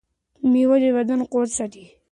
مېوه د بدن قوت ساتي.